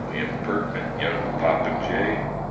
The impertinent young popinjay!